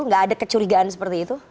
nggak ada kecurigaan seperti itu